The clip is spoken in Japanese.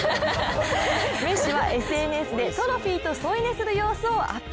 メッシはＳＮＳでトロフィーと添い寝する様子をアップ。